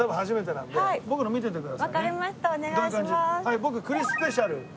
僕栗スペシャル。